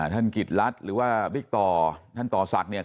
กิจรัฐหรือว่าบิ๊กต่อท่านต่อศักดิ์เนี่ย